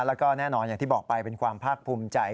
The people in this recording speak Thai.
แล้วก็แน่นอนอย่างที่บอกไปเป็นความภาคภูมิใจ